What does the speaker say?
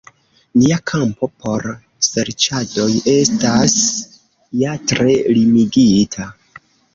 Nia kampo por serĉadoj estas ja tre limigita.